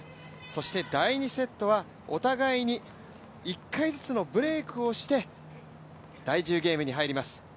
そして第２セットはお互いに１回ずつのブレークをして第１０ゲームに入ります。